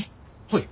はい。